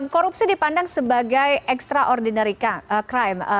korupsi dipandang sebagai extraordinary crime